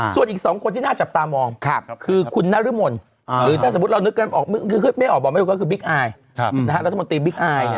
ส่วนอีกสองคนที่น่าจะตามองคือคุณนรมนต์หรือถ้าสมมติเราไม่ออกบอกไม่รู้ก็คือบิ๊กไอรัฐมนตรีบิ๊กไอ